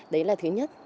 đấy là thứ nhất